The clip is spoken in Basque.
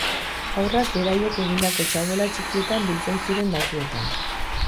Haurrak beraiek egindako txabola txikietan biltzen ziren batzuetan.